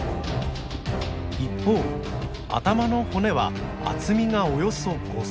一方頭の骨は厚みがおよそ５センチ。